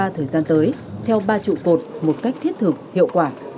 thời gian tới theo ba trụ cột một cách thiết thực hiệu quả